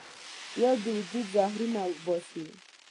پیاز د وجود زهرونه وباسي